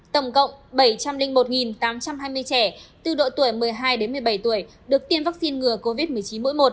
tổng cộng bảy trăm linh một tám trăm hai mươi trẻ từ độ tuổi một mươi hai đến một mươi bảy tuổi được tiêm vaccine ngừa covid một mươi chín mỗi một